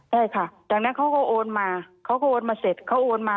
ได้ค่ะจากนั้นเขาก็โอนมา